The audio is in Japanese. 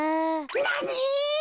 なに！？